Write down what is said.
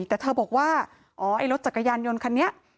แต่เธอบอกว่าอ๋อไอ้รถจักรยานยนต์คันนี้